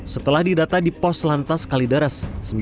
setelah didata di pos lantas kalideres